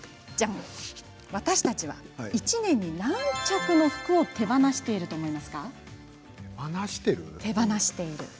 私たちは１年に何着の服を手放していると思いますか？